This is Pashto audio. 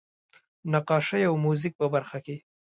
نقاشۍ او موزیک په برخه کې.